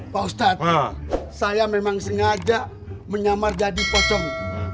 pak ustadz saya memang sengaja menyamar jadi pocong